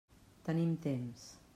Tenim temps.